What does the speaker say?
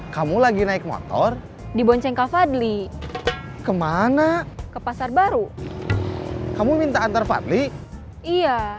hati hati saat beroperasi jangan sampai ketahuan dan tergetat lagi terus kamu masuk penjara lagi